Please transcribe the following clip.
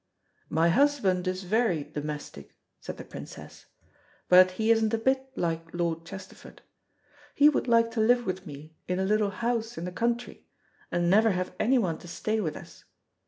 "My husband is very domestic," said the Princess. "But he isn't a bit like Lord Chesterford. He would like to live with me in a little house in the country, and never have anyone to stay with us.